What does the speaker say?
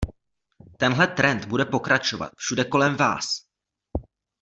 Tenhle trend bude pokračovat všude kolem vás.